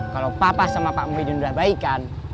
kalau papa sama pak muhyiddin udah baikan